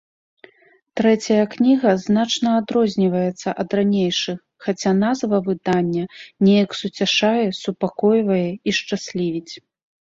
Трэцяя кніга значна адрозніваецца ад ранейшых, хаця назва выдання неяк суцяшае, супакойвае і шчаслівіць.